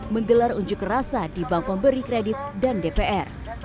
menggelar unjuk rasa di bank pemberi kredit dan dpr